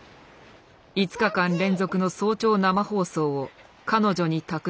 ５日間連続の早朝生放送を彼女に託した。